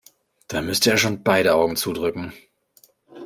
Da müsste er schon beide Augen zudrücken.